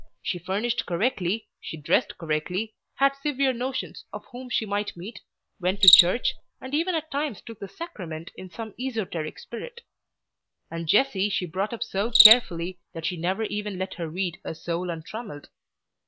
She furnished correctly, dressed correctly, had severe notions of whom she might meet, went to church, and even at times took the sacrament in some esoteric spirit. And Jessie she brought up so carefully that she never even let her read "A Soul Untrammelled."